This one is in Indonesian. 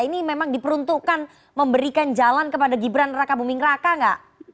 ini memang diperuntukkan memberikan jalan kepada gibran raka bumingraka enggak